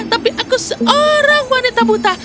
tapi aku seorang wanita buta